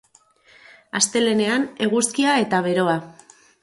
Astelehenean eguzkia eta beroa.